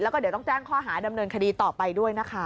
แล้วก็เดี๋ยวต้องแจ้งข้อหาดำเนินคดีต่อไปด้วยนะคะ